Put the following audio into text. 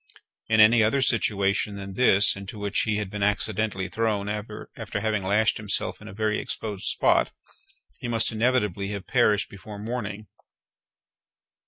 In any other situation than this (into which he had been accidentally thrown after having lashed himself in a very exposed spot) he must inevitably have perished before morning.